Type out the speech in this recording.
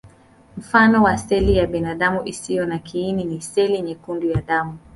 Mfano wa seli ya binadamu isiyo na kiini ni seli nyekundu za damu.